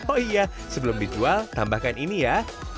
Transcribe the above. oh iya sebelum dijual tambahkan ini ya